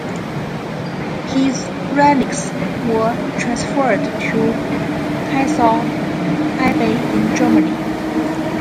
His relics were transferred to Hirsau Abbey in Germany.